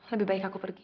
lebih baik aku pergi